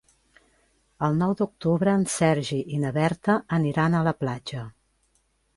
El nou d'octubre en Sergi i na Berta aniran a la platja.